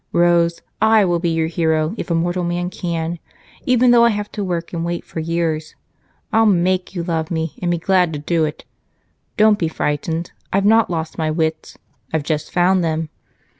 Rose, I will be your hero if a mortal man can, even though I have to work and wait for years. I'll make you love me, and be glad to do it. Don't be frightened. I've not lost my wits I've just found them.